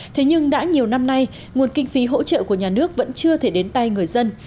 thế nhưng đã nhiều năm nay nguồn kinh phí hỗ trợ của nhà nước vẫn chưa thể đến tay người dân